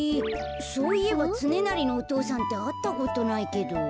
そういえばつねなりのお父さんってあったことないけど。